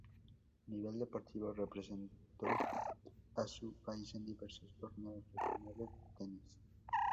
A nivel deportivo representó a su país en diversos torneos regionales de tenis.